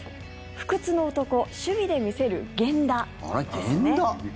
不屈の男守備で見せる源田ですね。